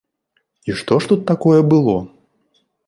І што ж тут такое было?